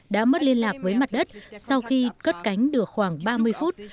đã mất liên lạc với mặt đất sau khi cất cánh được khoảng ba mươi phút